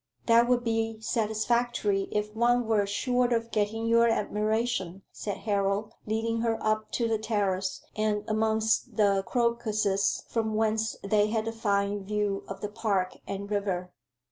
"That would be satisfactory if one were sure of getting your admiration," said Harold, leading her up to the terrace, and amongst the crocuses, from whence they had a fine view of the park and river.